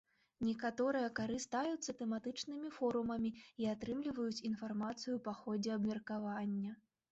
Некаторыя карыстаюцца тэматычнымі форумамі і атрымліваюць інфармацыю па ходзе абмеркавання.